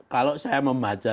kalau saya membaca